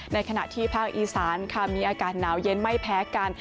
ในขณะที่ภาคอีสานค่ะมีอากาศหนาวเย็นไม่แพ้กัน